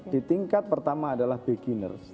di tingkat pertama adalah beginners